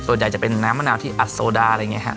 ตัวใหญ่จะเป็นน้ำมะนาวที่อัดโซดาอะไรอย่างเงี้ยฮะ